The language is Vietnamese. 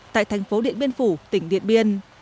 tại thành phố điện biên phủ tỉnh điện biên